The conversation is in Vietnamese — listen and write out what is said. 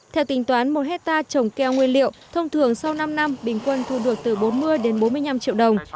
theo tính toán một hectare trồng keo nguyên liệu thông thường sau năm năm bình quân thu được từ bốn mươi đến bốn mươi năm triệu đồng